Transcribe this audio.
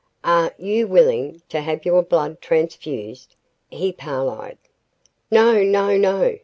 "Are you willing to have your blood transfused?" he parleyed. "No no no!"